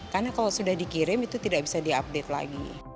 karena kalau sudah dikirim itu tidak bisa diupdate lagi